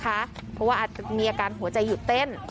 เพราะว่าอาจจะมีอาการหัวใจหยุดเต้น